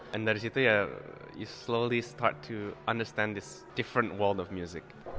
dan dari situ ya kamu pelan pelan mulai mengerti dunia musik yang berbeda